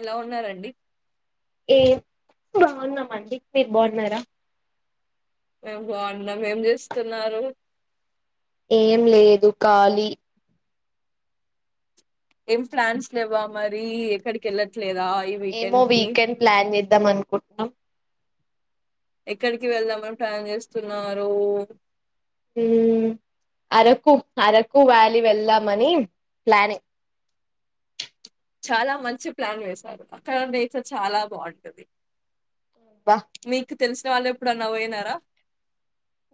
ఎలా ఉన్నారండి ఏ బాగున్నామండి మీరు బాగున్నారా మేము బాగున్నాం ఏం చేస్తున్నారు ఏం లేదు ఖాలీ ఏం ప్లాన్స్ లేవా మరి ఎక్కడికి వెళ్ళట్లే ఏమో వీకెండ్ ప్లాన్ చేద్దాం అనుకుంటున్నాం ఎక్కడికి వెళ్దామని ప్లాన్ చేస్తున్నారు హు అరకు అరకు వ్యాలీ వెళ్దామని ప్లానింగ్ చాలా మంచి ప్లాన్ వేశారు అక్కడ నేచర్ చాలా బాగుంటది బా మీకు తెలు న వాళ్ళు ఎప్పుడన్న పోయినారా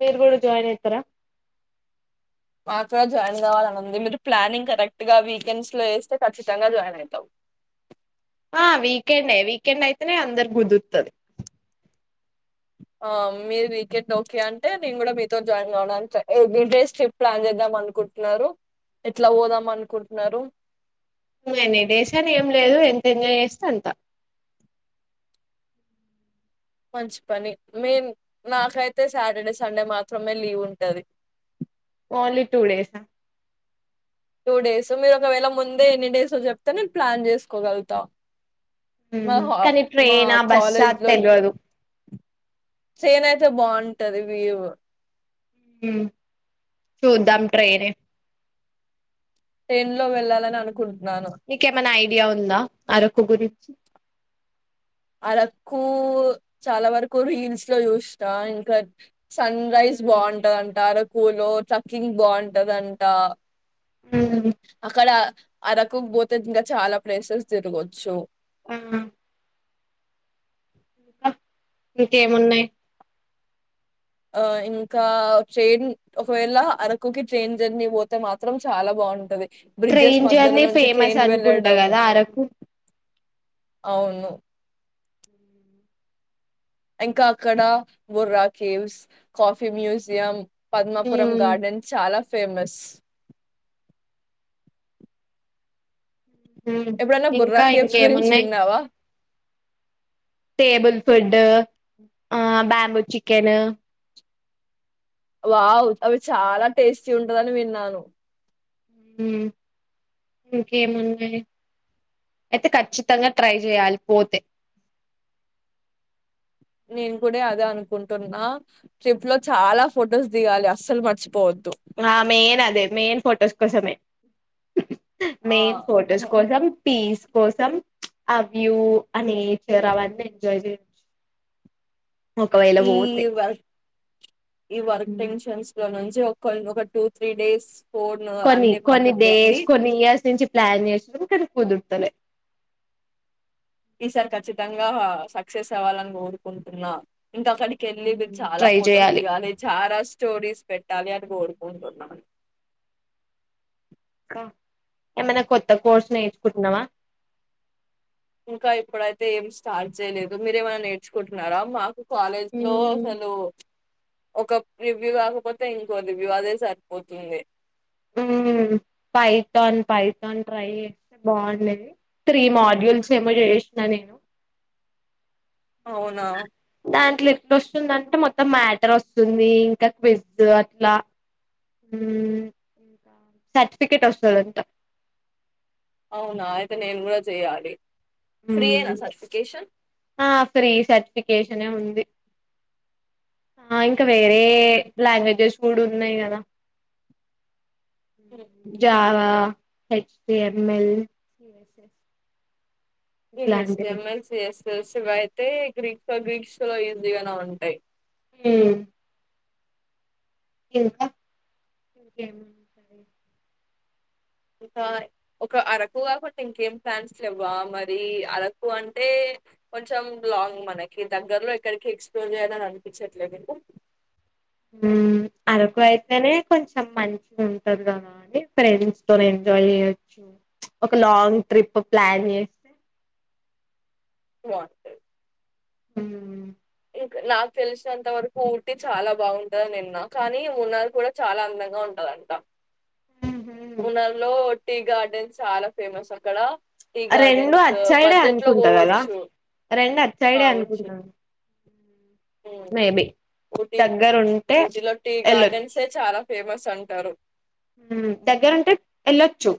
మీరు కూడా జాయిన్ అయితర మాక జాయిన్ కావాలనింది మీరు ప్లానింగ్ కరెక్ట్ గా వీకెండ్స్ లో వేస్తే ఖచ్చితంగా జాయిన్ అయితం ఆ వీకెండే వీకెండ్ అయితేనే అందరికి కుదుర్తది ఆ మీరు వీకెండ్ ఓకే అంటే నేను కూడా మీతో జాయిన్ కావడానికి ఎవ డేస్ ట్రిప్ ప్లాన్ చేద్దాం అనుకుంటున్నారు ఎట్లా పోదాం అనుకుంటున్నారు ఎన్ని డేస్ అని ఏం లేదు ఎంత ఎంజాయ్ చేస్తే అంత మంచి పని మేన్ నాకైతే సాటర్డే సండే మాత్రమే లీవ్ ఉంటది ఓన్లీ టూ డేస్ఆ టూ డేస్ మీరు ఒకవేళ ముందే ఎన్ని డేసో చెప్తే నేను ప్లాన్ చేసుకోగలుగుతా మా హు హా కానీ మా ట్రైనా బస్సా కాలేజ్ లో తెలువదు తే బాగుంటది వ్యూవు హు చూద్దాం ట్రెయినే ట్రైన్ లో వెళ్ళాలని అనుకుంటున్నాను నీకేమైనా ఐడియా ఉందా అరకు గురిచ్చి అరకూ చాలా వరకు రీల్స్ లో చూస్నా ఇంకా సన్ రైజ్ మ్మ్ బావుంటదంట ఆరో కూలో ట్రక్కింగ్ బావుంటదంట అక్కడ అరకు బోతద్ ఇంకా చాలా ప్లేసెస్ తిరగొచ్చు ఆ ఇంకేమున్నాయి ఆ ఇంకా ట్రైన్ ఒకవేళ అరకుకి ట్రైన్ జర్నీ పోతే మాత్రం చాలా బావుంటది బ్రిడ్జెస్ ట్రైన్ మధ్యలో జర్నీ నుంచి ఫేమస్ ట్రైన్ అనుకుంటా వెళ్లడం కదా అరకు అవును ఇంకా అక్కడ Borra caves coffee museum Padmapuram ఉమ్, గార్డెన్స్ చాలా ఫేమస్ మ్మ్ ఎప్పుడైనా బుర్రా ఇంకా కేవ్స్ గురించి ఇంకేమున్నాయి విన్నావా టేబుల్ ఫుడ్ డు ఆ బాంబు చికెన్ వావ్ అవి చాలా టేస్టీ ఉంటదని విన్నాను మ్మ్ ఇంకేమన్నాయి అయితే ఖచ్చితంగా ట్రై చెయాలి పోతే నేను కూడా అదే అనుకుంటున్నా ట్రిప్ లో చాలా ఫొటోస్ దిగాలి అస్సలు మర్చిపోవద్ ఆ మెయిన్ అదే మెయిన్ ఫోటోస్ కోసమే ఆ మెయిన్ ఫొటోస్ కోసం పీస్ కోసం ఆ వ్యూ అనేచర్ అవన్నీ ఎంజాయ్ చేయచ్చు ఒకవేళ ఈ పోతే వర్ ఈ వర్క్ ఉమ్. టెన్షన్స్ లో నుంచ్ జో కొన్ ఒక టూ త్రీ డేస్ ఫోన్ కొన్ని అన్ని కొన్ని పక్కకు పెట్టి డేస్ కొన్ని ఇయర్స్ నుంచి ప్లాన్ చేసి [inaudible] కానీ కుదుర్తలే సారి ఖచ్చితంగా సక్సెస్ అవ్వాలని కోరుకుంటున్నా ఇంకా అక్కడికి వెళ్ళి వీల్ చాలా ట్రై ఫొటోస్ చేయాలి దిగాలి చారాస్ చ్చోడీస్ పెట్టాలి అని కోడుకుంటున్నాను ఏమన్న కొత్ త్త కోర్స్ నేర్చుకుంటున్నావా ఇంకా ఇప్పుడైతే ఏం స్టార్ట్ చేయలేదు మీరేమైనా నేర్చుకుంటున్నారా మాకు కాలేజ్ లో మ్మ్ అసలు ఒక రివ్యూ కాకపోతే ఇంకో రివ్యూ అదే సరిపోతుంది మ్మ్ పైతాన్ పైథాన్ ట్రై చేస్తే బాగుండేది త్రీ మోడ్యూల్స్ ఏమో చేసిన నేను అవునా అట్ల ఎట్ల వస్తుందంటే మొత్తం మ్యాటర్ వస్తుంది ఇంకా క్విజ్ అట్లా ఉ సర్టిఫికెట్ వస్తది అంట అవునా అయితే నేను కూడా చెయ్యాలి మ్మ్ ఫ్రీయేనా సర్టిఫికేషన్ ఆ ఫ్రీ సర్టిఫికేషనే ఉంది ఆ ఇంకా వేరే లాంగ్వేజెస్ కూడు ఉన్నాయి కదా జావ్ వా హెచ్టిఎంఎల్ ఏ ఇట్లాంటివి హెచ్టిఎమ్ఎల్ సిఎస్ తెలిసి వయితే గ్రీక్ లో గ్రీక్స్ లో ఈజీ గానే ఉంటాయి ఉ ఇంక ఇంకా ఒక అరకు కాకుండా ఇంకేం ప్లాన్స్లు లేవ మరి అరకు అంటే కొంచెం లాంగ్ మనకి దగ్గరలో ఎక్కడికి ఎక్స్ప్లోర్ చేయాలని అనిపించట్లేదా నీకు ఉ అరకు అయితేనే కొంచెం మంచిగా ఉంటది కదా అని ఫ్రెండ్స్ తో ఎంజాయ్ చేయొచ్చు ఒక లాంగ్ ట్రిప్ ప్లాన్ చేస్తే వాట్ ఉ ఇక నాకు తెలిసినంతవరకు ఊటీ చాలా బాగుంటది అని విన్న కానీ ఉణార్ కూడా చాలా అందంగా ఉంటదంట మున్నార్లో టీ గార్డెన్ చాలా ఫేమస్ అక్కడ టీ ఆ రెండు గార్డెన్స్ అటు సైడే బడ్జెట్ లో అనుకుంటా కదా పోవచ్చు రెండు అటు సైడే అనుకుంటా ఉ ఊటీ దగ్గరుంటే ఊటీలో టీ గార్డెన్సే చాలా ఫేమస్ అం తారు ఉ దగ్గరంటే వెళ్ళొచ్చు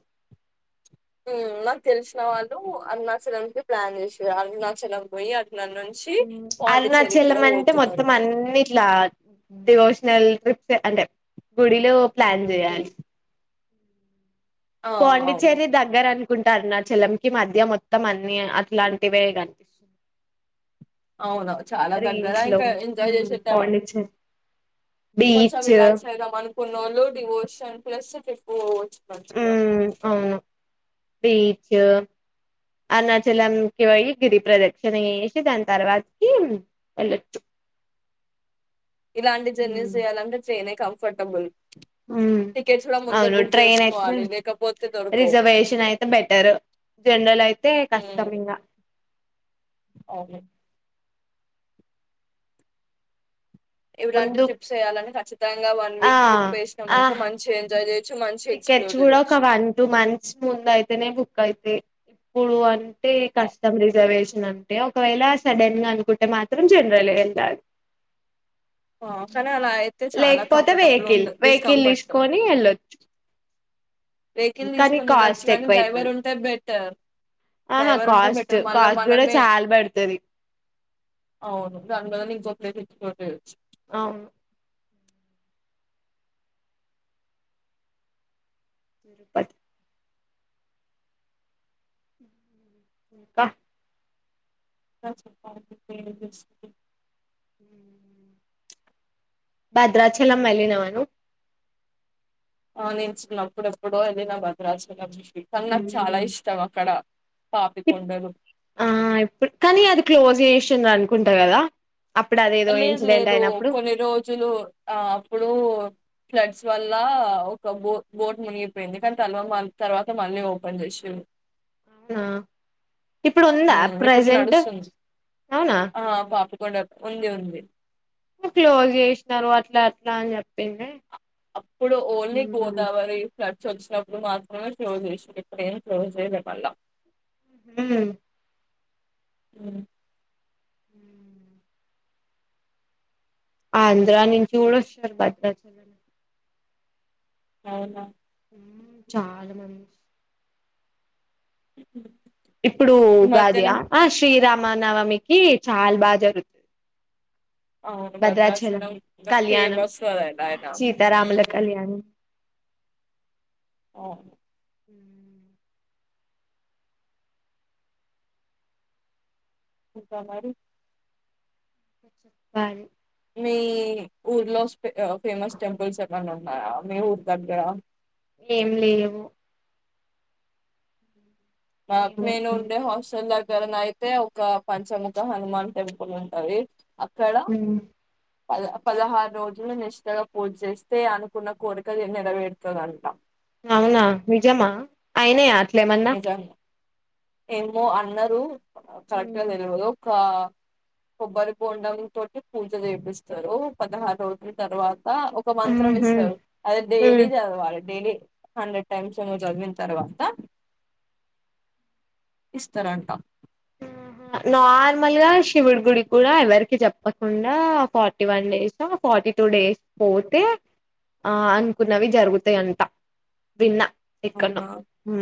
ఉ నాకు తెలిసిన వాళ్ళు అరుణాచలం కి ప్లాన్ వేసారు అరుణాచలం పోయి అట్ల నుంచి ఉ పాండిచ్చేరికి అరుణాచలం కూడా అంటే పోతున్నారు మొత్తం అన్నిట్లా డివోషనల్ ట్రిప్స్ అంటే గుడిలో ప్లాన్ ఉమ్. చేయాలి ఆ అవును పాండిచ్చేరి దగ్గరన్ కుంటారు నా అరుణాచలంకి మధ్య మొత్తం అన్ని అట్లాంటివే గా అవును చాలా దగ్గర లో ఇంకా ఎంజాయ్ చేసేటం పాండిచ్చేరి కొంచెం బీచ్ రిలాక్స్ అయిదమని కున్నోళ్లు డివోషన్ ప్లస్ ట్రిప్ పోవచ్చు వచ్చుగా బీచు అరుణాచలంకి పోయి గిరి ప్రదక్షిణ చేసి దాని తర్వాతకి వెళ్ళొచ్చు ఇలాంటి జర్నీస్ చేయాలంటే ట్రైనే కం ఫటబుల్ ఉ అవును ట్రైన్ అయితే చేసుకోవాలి లేకపోతే దొరకవు రిజర్వేషన్ అయితే బెటర్ జనరల్ అయితే కష్టం ఉమ్, ఇంగ అవును ఇలాంటి ముందు ట్రిప్స్ వేయాలనీ ఖచ్చితం ముఖ్యంగా వన్ ఆ వీక్ ట్రిప్ వేసినము ఆ అనుకో మంచి గా ఎంజాయ్ చేయి టికెట్స్ కూడా ఒక వన్ టూ మంత్స్ ముందు అయితేనే బుక్ అయితాయ్ ఇప్పుడు వన్ అంటే కస్టమ్ రిజర్వేష నంటే ఒకవేళ సడెన్ గా అనుకుంటే మాత్రం జనరల్ వెళ్ళాలి ఆ కానీ అలా అయితే చాలా లేకపోతే కంఫర్టబుల్ వెహికల్ ఉండదు వెహికల్ డిస్కంఫర్ట్ తీసుకొని వెళ్ళొచ్చు వెయికిల్ కానీ తీసుకొని వెళ్ళొచ్చు, కాస్ట్ కానీ డ్రైవర్ ఎక్కువైతది ఉంటే బెటర్ ఆహా డ్రైవర్ ఉంటే కాస్ట్ బెటర్ మళ్ళ కాస్ట్ కూడా మనమే చాలా పడుతది అవును దాని బదులు ఇంకో [inaudible] కొట్టేయచ్చు అవును తిరుపతి ఇంకా ఇంకా చెప్పాలి ఏం చేస్తున్నావ్ హ భద్రాచలం వెళ్ళినావ నువ్వు ఆ నేను చిన్నప్పుడు ఎప్పుడో ఎళ్ళిన భద్రాచలం కాని నాకు చాలా ఇష్టం అక్కడ ఇప్ పాపికొండలు ఆ ఇప్పుడు కానీ అది క్లోజ్ చేస్ సినారు అనుకుంటా కదా అప్పుడు అదేదో లేదు ఇన్సిడెంట్ లేదు అయినప్పుడు కొన్ని రోజులు ఆ అప్పుడు ఫ్లడ్స్ వల్ల ఒక బో బోట్ మునిగిపోయింది కానీ తర్వా తర్వాత మళ్ళీ ఓపెన్ చేసిండ్రు అవునా ఇప్పుడు ఉందా ఇప్పుడు ప్రెజెంట్ అవునా కొండ ఉంది ఉంది క్లోజ్ చేసినారు అట్లా అట్లా అని చెప్పింది అప్పుడు ఓన్లీ ఉమ్ గోదావరి ఫ్లట్స్ వచ్చినప్పుడు మాత్రమే క్లోజ్ చేసిండ్రు ఇప్పుడేం క్లోజ్ చేయల మల్ల ఉ ఉ హ ఆంధ్రా నుంచి కూడ వస్తున్నారు భద్రాచలం అవునా చాలా మం ఉమ్. ఇప్పుడు ఈ మధ్యనే ఉగాదియా ఆ శ్రీరామ్ మానవమికి చాలా బాగా జరుగు అవును భద్రాచలం తప్ప కళ్యాణం [unintelligible] ఆయన యూ సీతారాముల కళ్యాణం ఓ హ ఇంకా మరి చెప్పాలి మీ ఊర్లో ఫేమస్ టెంపుల్స్ ఏమైన్నా ఉన్నాయా మీ ఉరి దగ్గర ఏం లేవు మా ఏమో నేను ఉండే హాస్టల్ గరనైతే ఒక పంచముఖ హనుమాన్ టెంపుల్ ఉంటది అక్కడ పద పదహారు రోజులు నిష్టగా పూజ చేస్తే అనుకున్న కోరిక నెరవేరుతదంట అవునా నిజమా అయినాయా అట్లేమన్నా [unintelligible] ఏమో అన్నారు కరెక్టుగా ఉమ్, తెలవదు ఒక కొబ్బరి బొండం తోటి పూజ చేపిస్తారు పదహారు రోజుల తర్వాత ఆ ఒక మంత్రం ఉహు ఇస్తారు అది డైలీ ఉమ్ చదవాలి డైలీ హండ్రెడ్ టైమ్స్ నువ్వు చదివిన్ తర్వాత ఇస్తారంట నార్మల్ గా శివుడి గుడి కూడా ఎవరికి చెప్పకుండా forty one days forty two days పోతే ఆ అనుకున్నవి జరుగుతాయి అంట విన్నా ఎక్కనో అవునా ఊ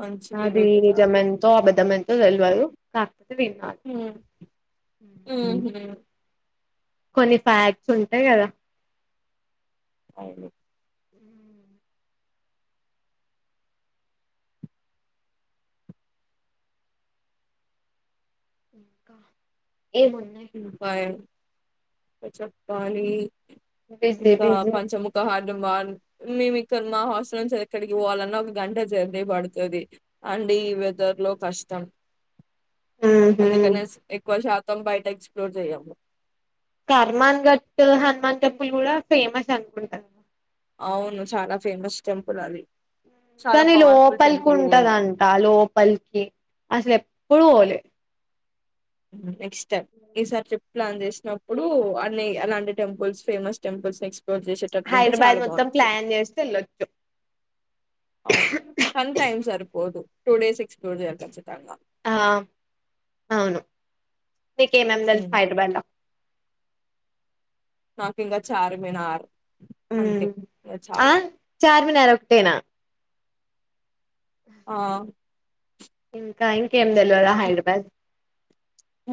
మంచి జరుగుతే చాలు నిజమెంతో అబద్ధం ఎంతొ తెల్వదు విన్నాను ఊ ఊహు కొన్ని ఫాక్ట్స్ ఉంటాయి కదా అవును ఇంకా ఏమున్నాయి ఉ బాయ్ అచప్ పాణి బిజీ ఇంకా బిజీ పంచముఖ హార్డు వా మేము ఇక్కడ మా హాస్టల్ నుంచి ఎక్కడికి పోవాలన్నా ఒక గంట జర్నీ పడతది అండి ఈ వెదర్ లో కష్టం ఉహు అందుకనేసి ఎక్కువ తొంబై ఎక్స్ప్లోర్ చేయము కర్మాన్ ఘట్ హనుమాన్ టెంపుల్ కూడా ఫేమస్ అనుకుంటా అవును చాలా ఫేమస్ టెంపుల్ అది చాలా కానీ పవర్ఫుల్ లోపలికి టెంపుల్ కూడా ఉంటదంట లోపలికి అసల పోవాలే నెక్స్ట్ టైమ్ ఈసారి ట్రిప్ ప్లాన్ చేసినప్పుడు అన్ని అలాంటి temples famous temples next Hyderabad మొత్తం ప్లాన్ చేస్తే వెళ్ళొచ్చు అవ్ వన్ టైమ్ సరిపోదు టూ డేస్ ఎక్సర్సైజ్ చేయాలి కచ్చితంగా ఆ నిక్ ఏమేం ఏమేం తెలుసు హైదరాబాద్ లొ నాకు ఇంకా చార్మినార్ ఉ అంతే. ఇంగ ఆ చాలు. చార్మినార్ ఒకటేనా ఆ ఇంకా ఎమ్ ఇంకా ఎమ్ తెలవదా హ్మ్. హైదరాబాద్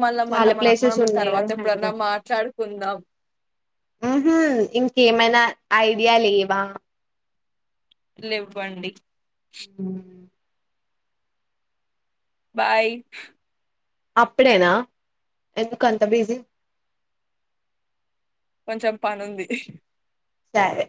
మళ్ళా చాలా మళ్ళా మనం ప్లేసెస్ మనం ఉన్నాయిగా తర్వాత ఎప్పుడన్నా హైదరాబాద్ మాట్లాడుకుందాం. ఐడియా లేవా లేవ్వండి హ బాయ్ అప్పుడేనా ఎందుక అంత బీజీ కొంచెం పనుంది సరే